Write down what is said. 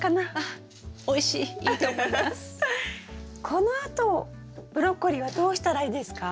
このあとブロッコリーはどうしたらいいですか？